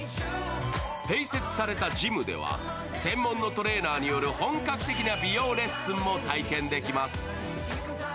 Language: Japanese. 併設されたジムでは専門のトレーナーによる本格的な美容レッスンも体験できます。